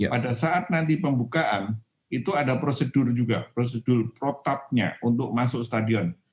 pada saat nanti pembukaan itu ada prosedur juga prosedur protapnya untuk masuk stadion